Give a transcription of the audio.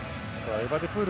エバディプール。